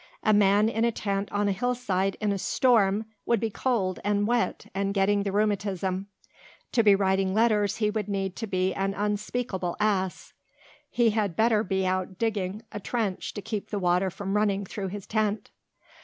A man in a tent on a hillside in a storm would be cold and wet and getting the rheumatism. To be writing letters he would need to be an unspeakable ass. He had better be out digging a trench to keep the water from running through his tent."